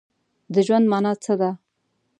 د ژوند مانا څه ده؟